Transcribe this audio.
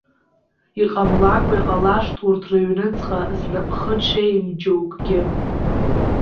Иҟамлакәа, иҟалашт урҭ рыҩнуҵҟа знапхы ҽеим џьоукгьы.